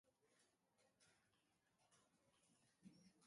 Errepideetan adin guztietakoek bete beharko dute araua.